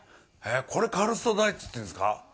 これ、カルスト台地っていうんですか。